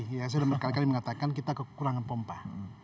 saya sudah berkali kali mengatakan kita kekurangan pompa